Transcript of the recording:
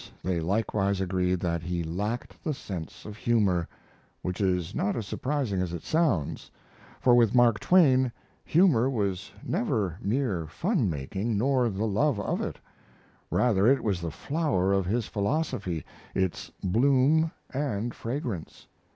they likewise agreed that he lacked the sense of humor, which is not as surprising as it sounds, for with Mark Twain humor was never mere fun making nor the love of it; rather it was the flower of his philosophy its bloom and fragrance.